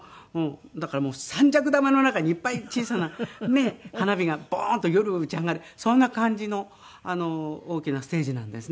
だからもう三尺玉の中にいっぱい小さな花火がボーンと夜打ち上がるそんな感じの大きなステージなんですね。